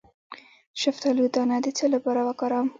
د شفتالو دانه د څه لپاره وکاروم؟